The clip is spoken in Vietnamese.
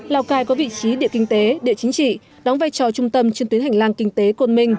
lào cai có vị trí địa kinh tế địa chính trị đóng vai trò trung tâm trên tuyến hành lang kinh tế côn minh